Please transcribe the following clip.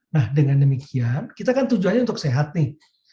nah dengan demikian kita kan tujuannya untuk sehat nih